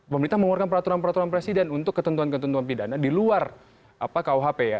pemerintah mengeluarkan peraturan peraturan presiden untuk ketentuan ketentuan pidana di luar kuhp ya